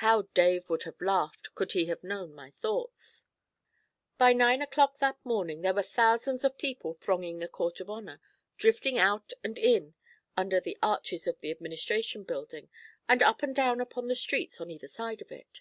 How Dave would have laughed could he have known my thoughts! By nine o'clock that morning there were thousands of people thronging the Court of Honour, drifting out and in under the arches of the Administration Building, and up and down upon the streets on either side of it.